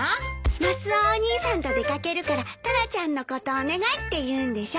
マスオお兄さんと出掛けるからタラちゃんのことお願いって言うんでしょ？